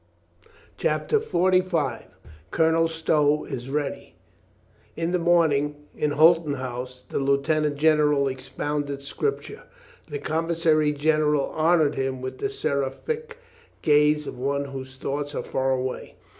CHAPTER FORTY FIVE COLONEL STOW IS READY TN the morning, in Holton House, the lieutenant ■* general expounded scripture. The commissary general honored him with the seraphic gaze of one whose thoughts are far away.